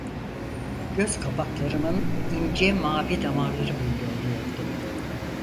Gözkapaklarmın ince mavi damarları belli oluyordu.